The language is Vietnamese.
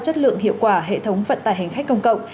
chất lượng hiệu quả hệ thống vận tải hành khách công cộng